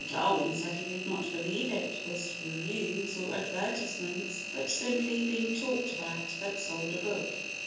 Darwin said he did not believe it was reviews or advertisements, but simply "being talked about" that sold a book.